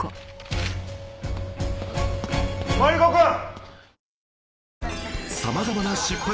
マリコくん！